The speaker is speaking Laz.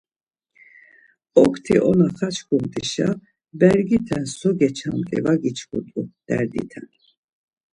Oktiona xackumtişa bergiten so geçamti var giçkittu derditen